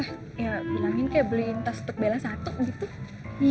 ya bilangin kayak beliin tas teg belenya satu gitu